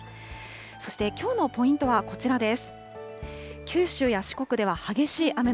そして、きょうのポイントはこちらです。